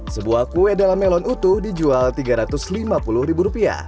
sebuah kue dalam melon utuh dijual rp tiga ratus lima puluh